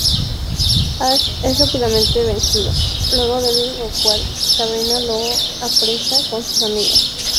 Ash es rápidamente vencido, luego de lo cual Sabrina lo apresa con sus amigos.